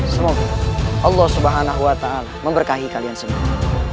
semoga allah swt memberkahi kalian semua